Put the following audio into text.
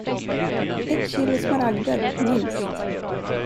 Ett kilo smaragder, minst!